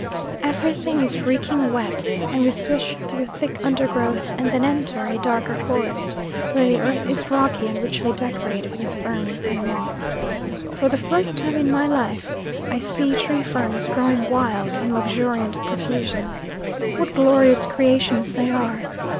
Everything is reeking wet, and we swish through thick undergrowth and then enter a darker forest where the earth is rocky and richly decorated with ferns and moss. For the first time in my life I see tree ferns growing wild in luxuriant profusion. What glorious creations they are!